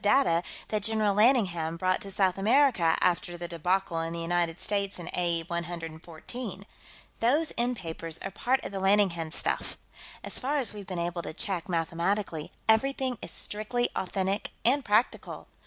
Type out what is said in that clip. data that General Lanningham brought to South America after the debacle in the United States in A.E. 114. Those end papers are part of the Lanningham stuff. As far as we've been able to check mathematically, everything is strictly authentic and practical.